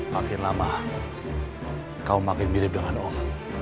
makin lama kau makin mirip dengan allah